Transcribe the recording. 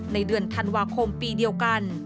ในเดือนธันวาคมปีเดียวกัน